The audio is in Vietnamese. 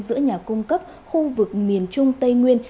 giữa nhà cung cấp khu vực miền trung tây nguyên